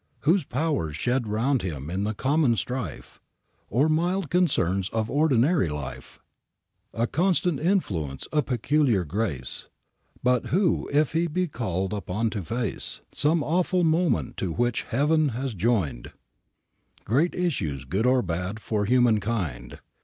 Whose powers shed round him in the common strife Or mild concerns of ordinary life A constant influence, a peculiar grace ; But who, if he be call'd upon to face Some awful moment to which heaven has join'd Great issues, good or bad for human kind.